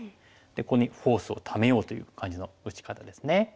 ここにフォースをためようという感じの打ち方ですね。